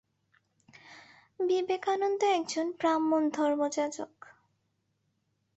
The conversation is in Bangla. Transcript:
বিবে কানন্দ একজন ব্রাহ্মণ ধর্মযাজক।